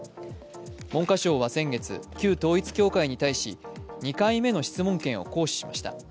文科省は先月、旧統一教会に対し、２回目の質問権を行使しました。